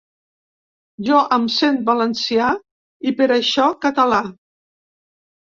Jo em sent valencià i per això català.